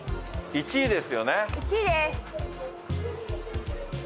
１位です。